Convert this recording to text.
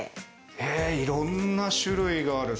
へえいろんな種類がある。